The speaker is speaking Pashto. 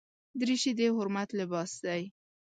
دریشي د حرمت لباس دی.